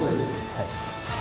はい。